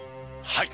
はい！